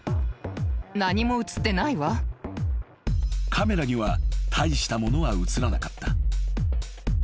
［カメラには大したものは写らなかった］